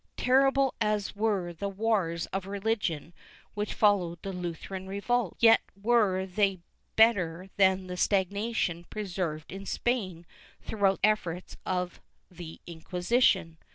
Terrible as were the wars of religion which followed the Lutheran revolt, yet were they better than the stagnation preserved in Spain through the efforts of the Inquisition.